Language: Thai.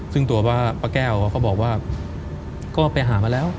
ซึ่งตัวป้าแก้วเขาบอกว่าก็ไปหามาแล้ว